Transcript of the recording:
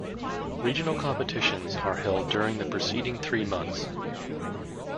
Regional competitions are held during the preceding three months.